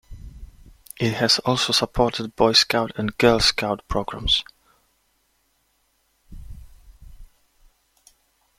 It has also supported Boy Scout and Girl Scout programs.